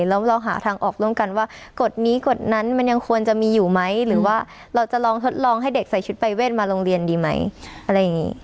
แล้วเราหาทางออกร่วมกันว่ากฎนี้กฎนั้นมันยังควรจะมีอยู่ไหมหรือว่าเราจะลองทดลองให้เด็กใส่ชุดปรายเวทมาโรงเรียนดีไหมอะไรอย่างนี้